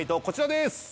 こちらです。